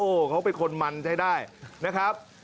เขาเป็นคนมันใช้ได้นะครับ